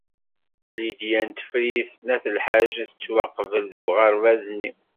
Lidya n Tifrit n At Lḥaǧ tettwaqbel deg uɣerbaz-nni.